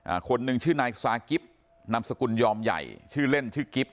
อ่าคนหนึ่งชื่อนายศรากิบนำสกุลยอมใหญ่ชื่อเล่นชื่อกิบ